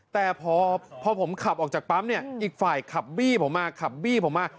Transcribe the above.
แต่พอผมขับออกจากปั๊มเนี่ยอีกฝ่ายขับบี้ผมมาขับบี้ผมมา